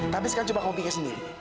tapi sekarang coba kamu pikir sendiri